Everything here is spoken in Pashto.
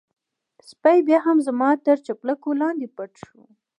سپی بيا هم زما تر چپلکو لاندې پټ شو.